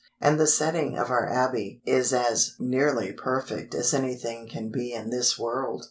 And the setting of our Abbey is as nearly perfect as anything can be in this world.